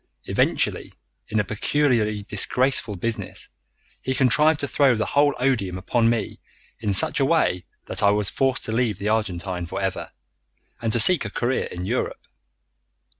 Eventually, in a peculiarly disgraceful business, he contrived to throw the whole odium upon me in such a way that I was forced to leave the Argentine for ever, and to seek a career in Europe.